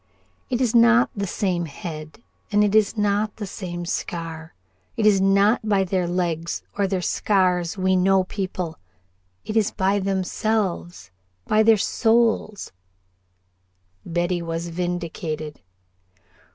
"It is not the same head and it is not the same scar. It is not by their legs or their scars we know people, it is by themselves by their souls." Betty was vindicated.